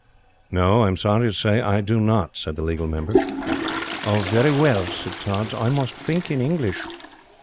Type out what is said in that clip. "No; I am sorry to say I do not," said the Legal Member. "Very well," said Tods. "I must fink in English."